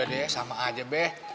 udah deh sama aja be